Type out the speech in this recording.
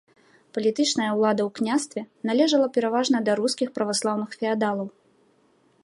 Палітычная ўлада ў княстве належала пераважна да рускіх праваслаўных феадалаў.